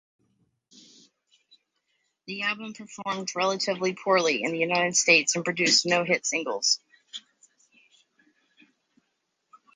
The album performed relatively poorly in the United States and produced no hit singles.